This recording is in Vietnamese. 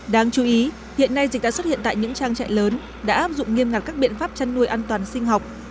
đáng chú ý hiện nay dịch đã xuất hiện tại những trang trại lớn đã áp dụng nghiêm ngặt các biện pháp chăn nuôi an toàn sinh học